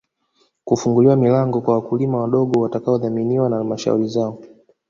Kufungua milango kwa wakulima wadogo watakaodhaminiwa na Halmashauri zao